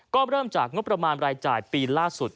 ก็เริ่มจากงบประมาณรายจ่ายปีล่าสุด